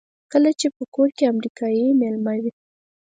کله چې په کور کې امریکایی مېلمه وي.